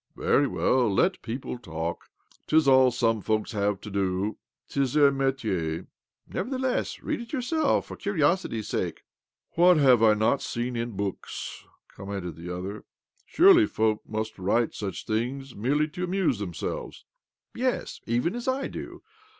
" Very well : tet people talk. 'Tis ц\\ some folks have to do. 'Tis their metier.'' " Nevertheless, read it yourself, for curi osity's sake." " What have I not seen in books !" com mented the other. " Surely folk must write such things merely to amuse themselves ?"" Yes ; even as I do.